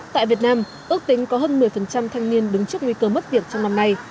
tại việt nam ước tính có hơn một mươi thanh niên đứng trước nguy cơ mất việc trong năm nay